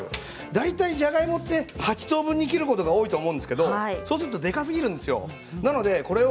大体じゃがいもは８等分に切ることが多いですがそうするとでかすぎるんですよ。